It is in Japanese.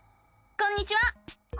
こんにちは。